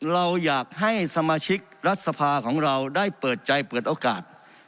เราอยากให้สมาชิกรัฐสภาของเราได้เปิดใจเปิดโอกาส